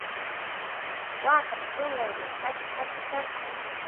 Waakapa sinqanman kasha hatikashqa.